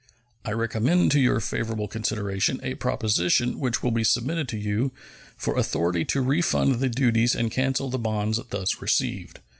I recommend to your favorable consideration a proposition, which will be submitted to you, for authority to refund the duties and cancel the bonds thus received.